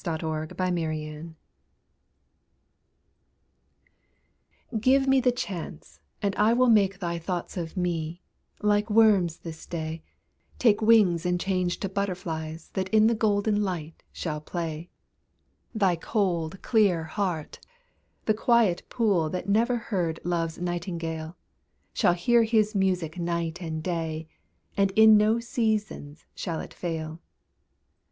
LOVE'S INSPIRATION Give me the chance, and I will make Thy thoughts of me, like worms this day, Take wings and change to butterflies That in the golden light shall play; Thy cold, clear heart the quiet pool That never heard Love's nightingale Shall hear his music night and day, And in no seasons shall it fail.